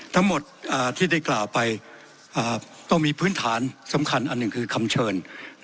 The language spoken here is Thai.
ทั้งหมดที่ได้กล่าวไปก็มีพื้นฐานสำคัญอันหนึ่งคือคำเชิญ